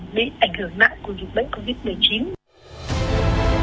đến ảnh hưởng nặng của dịch bệnh covid một mươi chín